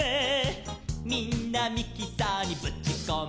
「みんなミキサーにぶちこんで」